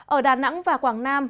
ở đà nẵng và quảng nam